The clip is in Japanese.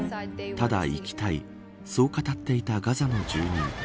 ただ生きたいそう語っていたガザの住民。